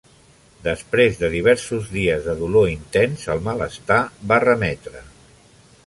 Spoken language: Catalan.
Després de diversos dies de dolor intens, el malestar va remetre.